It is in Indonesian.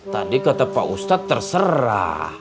tadi pak ustadz kata terserah